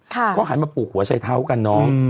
ค่ะก็หันมาปลูกหัวชัยเท้ากันน้องอืม